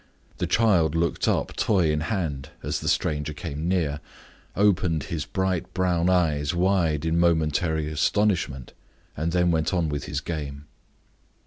The child looked up, toy in hand, as the stranger came near, opened his bright brown eyes in momentary astonishment, and then went on with his game.